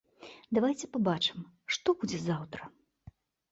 Давайце пабачым, што будзе заўтра.